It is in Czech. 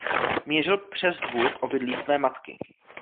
Mířil přes dvůr k obydlí své matky.